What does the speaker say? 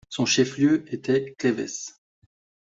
Son chef-lieu était Clèves.